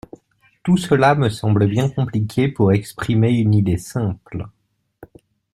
Tout cela me semble bien compliqué pour exprimer une idée simple.